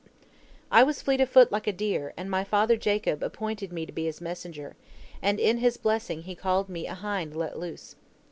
"I was fleet of foot like a deer, and my father Jacob appointed me to be his messenger, and in his blessing he called me a hind let loose.